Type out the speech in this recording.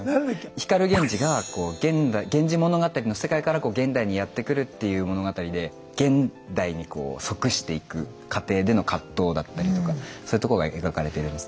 光源氏が「源氏物語」の世界から現代にやって来るっていう物語で現代に即していく過程での葛藤だったりとかそういうとこが描かれてるんです。